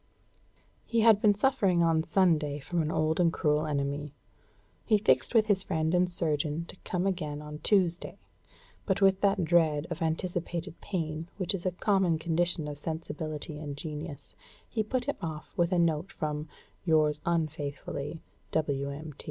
He had been suffering on Sunday from an old and cruel enemy. He fixed with his friend and surgeon to come again on Tuesday, but with that dread of anticipated pain which is a common condition of sensibility and genius, he put him off with a note from "yours unfaithfully, W.M.